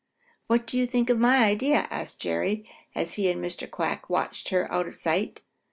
"What do you think of my idea?" asked Jerry, as he and Mr. Quack watched her out of sight.